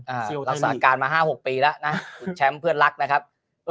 คิวรักษาการมาห้าหกปีแล้วนะคุณแชมป์เพื่อนรักนะครับ